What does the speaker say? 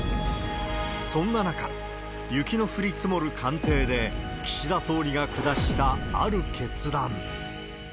そんな中、雪の降り積もる官邸で、岸田総理が下したある決断。